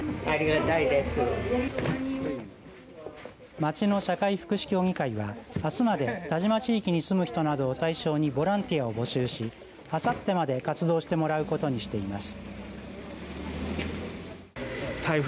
町の社会福祉協議会はあすまで但馬地域に住む人などを対象にボランティアを募集しあさってまで活動してもらうことにしています。